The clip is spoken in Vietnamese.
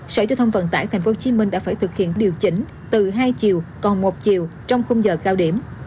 sở giao thông vận tải tp hcm đã phải thực hiện điều chỉnh từ hai chiều còn một chiều trong khung giờ cao điểm